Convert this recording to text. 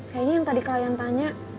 kayaknya yang tadi klien tanya